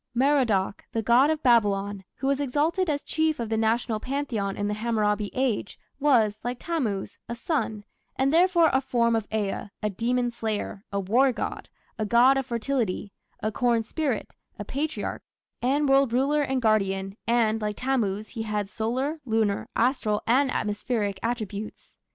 Merodach, the god of Babylon, who was exalted as chief of the National pantheon in the Hammurabi Age, was, like Tammuz, a son, and therefore a form of Ea, a demon slayer, a war god, a god of fertility, a corn spirit, a Patriarch, and world ruler and guardian, and, like Tammuz, he had solar, lunar, astral, and atmospheric attributes.